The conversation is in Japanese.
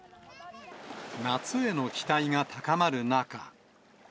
夏への期待が高まる中。